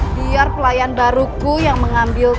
biar pelayan baruku yang mengambil